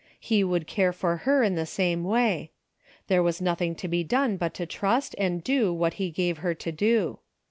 He would care for her in the same way. There was nothing to be done but to trust and do what he gave her to do.